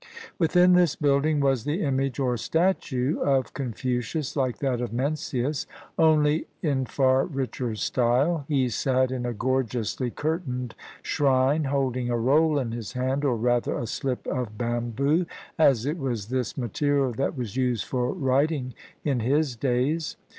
Within this building was the image or statue of Con fucius, like that of Mencius, only in far richer style; he sat in a gorgeously curtained shrine holding a roll in his hand, or rather, a slip of bamboo, as it was this material that was used for writing in his days.